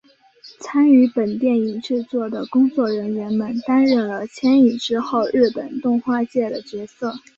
参与本电影制作的工作人员们担任了牵引之后日本动画界的角色。